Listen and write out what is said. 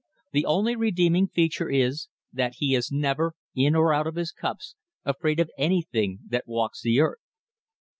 The only redeeming feature is, that he is never, in or out of his cups, afraid of anything that walks the earth.